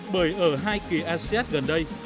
bởi ở hai kỳ asean gần đây